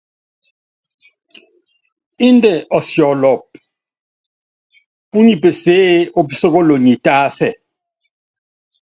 Índɛ ɔsɔlɔpɔ, púnyipeseé, opísókolonyi tásɛ.